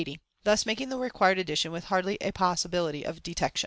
80), thus making the required addition with hardly a possibility of detection.